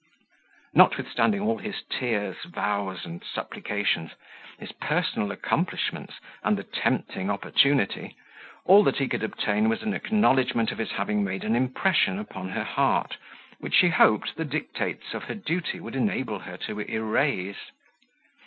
Notwithstanding all his tears, vows, and supplications, his personal accomplishments, and the tempting opportunity, all that he could obtain was an acknowledgment of his having made an impression upon her heart, which she hoped the dictates of her duty would enable her to erase.